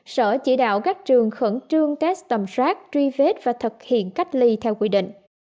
sở chỉ đạo các trường khẩn trương test tầm soát truy vết và thực hiện cách ly theo quy định